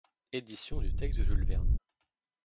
Éditions du texte de Jules Verne.